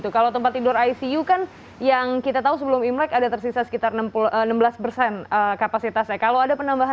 kalau tempat tidur icu kan yang kita tahu sebelum imlek ada tersisa sekitar enam belas persen kapasitasnya